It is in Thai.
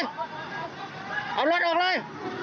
เอารถออกเลย